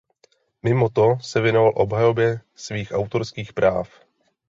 Mimo to se věnoval obhajobě svých autorských práv.